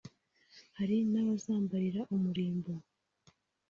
Hari n’abazambarira umurimbo